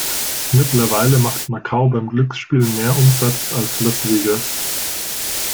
Mittlerweile macht Macau beim Glücksspiel mehr Umsatz als Las Vegas.